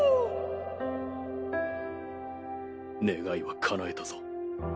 願いはかなえたぞ。